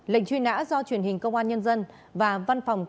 lệnh truy nã do truyền hình công an nhân dân và văn phòng cơ quan công an